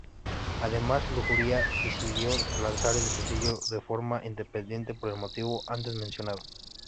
Además, Lujuria decidió lanzar el sencillo de forma independiente por el motivo antes mencionado.